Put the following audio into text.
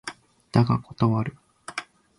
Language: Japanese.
だが断る